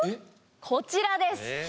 こちらです！